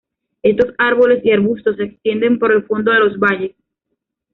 Estos árboles y arbustos se extienden por el fondo de los valles.